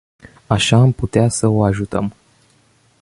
Așa am putea să o ajutăm.